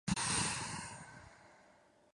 Pero era mejor que yo.